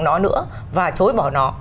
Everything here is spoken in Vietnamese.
nó nữa và chối bỏ nó